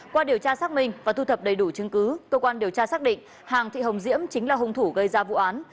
qua điều tra xác minh và thu thập đầy đủ chứng cứ cơ quan điều tra xác định hà thị hồng diễm chính là hung thủ gây ra vụ án